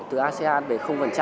từ asean về